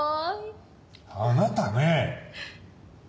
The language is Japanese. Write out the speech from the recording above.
あなたね！